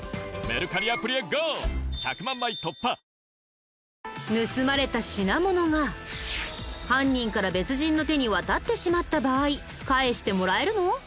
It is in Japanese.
わかるぞ盗まれた品物が犯人から別人の手に渡ってしまった場合返してもらえるの？